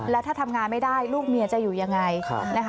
และถ้าทำงานไม่ได้ลูกเมียจะอยู่อย่างไร